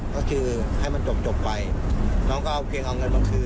ก็คือให้มันจบไปน้องก็เอาเพียงเอาเงินมาคืน